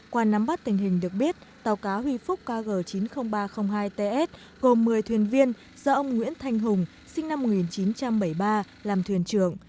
qua nắm bắt tình hình được biết tàu cá huy phúc kg chín mươi nghìn ba trăm linh hai ts gồm một mươi thuyền viên do ông nguyễn thanh hùng sinh năm một nghìn chín trăm bảy mươi ba làm thuyền trưởng